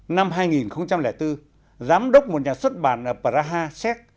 năm hai nghìn bốn giám đốc một nhà xuất bản ở praha séc